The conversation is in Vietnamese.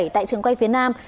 tại trường quay phía nam